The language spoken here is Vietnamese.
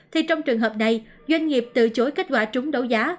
thì trong trường hợp này doanh nghiệp từ chối kết quả trúng đấu giá